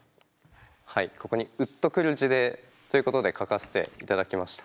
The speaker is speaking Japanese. はいここにウッとくる事例ということで書かせていただきました。